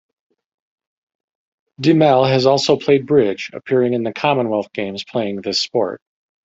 De Mel has also played bridge, appearing in the Commonwealth Games playing this sport.